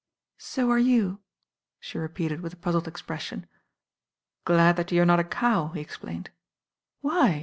"So are you I" she repeated with a puzzled ex . pression. "Glad that you are not a cow," he explained. '•Why?"